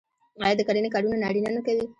آیا د کرنې کارونه نارینه نه کوي؟